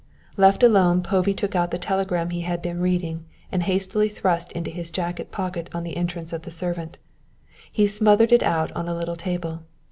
Left alone, Povey took out the telegram he had been reading and had hastily thrust into his jacket pocket on the entrance of the servant. He smoothed it out on a little table.